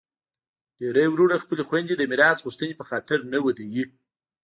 ډیری وروڼه خپلي خویندي د میراث غوښتني په خاطر نه ودوي.